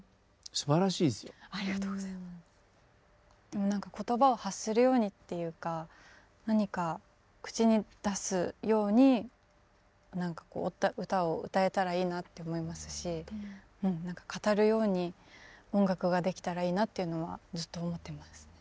でも何か言葉を発するようにっていうか何か口に出すように何かこう歌を歌えたらいいなって思いますしうん何か語るように音楽ができたらいいなっていうのはずっと思ってますね。